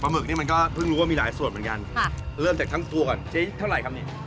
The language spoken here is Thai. หมึกนี่มันก็เพิ่งรู้ว่ามีหลายส่วนเหมือนกันเริ่มจากทั้งตัวก่อนเจ๊เท่าไหร่ครับนี่